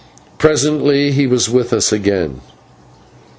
Presently he was with us again.